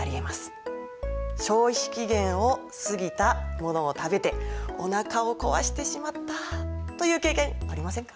消費期限を過ぎたものを食べておなかを壊してしまったという経験ありませんか？